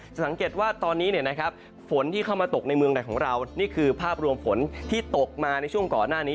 สังเกตว่าตอนนี้ฝนที่เข้ามาตกในเมืองไหนของเรานี่คือภาพรวมฝนที่ตกมาในช่วงก่อนหน้านี้